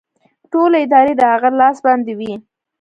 ټولې ادارې د هغه لاس باندې وې